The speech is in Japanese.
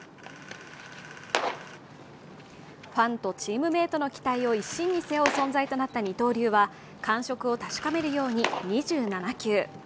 ファンとチームメートの期待を一身に背負う存在となった二刀流は感触を確かめるように２７球。